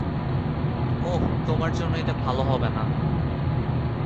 ওহ, তোমার জন্য এটা ভালো হবে না।